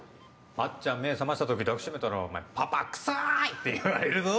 あっちゃん目覚ました時抱き締めたらお前「パパ臭い」って言われるぞ？